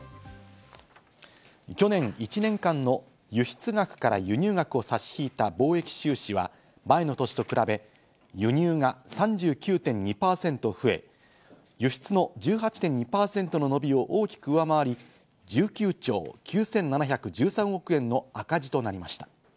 去年１年間の輸出額から輸入額を差し引いた貿易収支は、前の年と比べ、輸入が３９．２％増え、輸出の１８．２％の伸びを大きく上回り、１９兆９７１３億円の赤字となりました。